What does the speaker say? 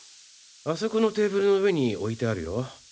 あそこのテーブルの上に置いてあるよ。